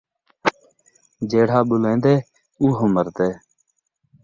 جیڑھا ٻولین٘دے اوہو مردے